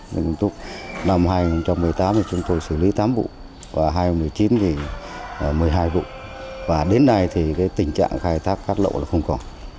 năm hai nghìn một mươi tám thì chúng tôi xử lý tám vụ và hai nghìn một mươi chín thì một mươi hai vụ và đến nay thì tình trạng khai thác cát lậu là không có